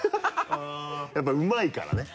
やっぱりうまいからね。